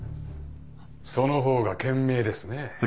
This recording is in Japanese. その方が賢明ですね。